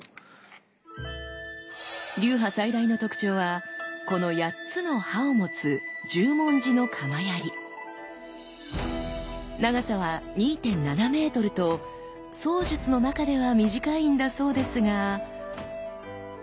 流派最大の特徴はこの８つの刃を持つ長さは２．７メートルと槍術の中では短いんだそうですが。